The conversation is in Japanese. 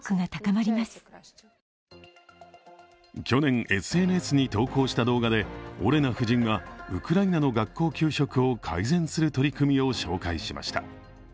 去年、ＳＮＳに投稿した動画でオレナ夫人はウクライナの学校給食を改善する取り組みを紹介しました。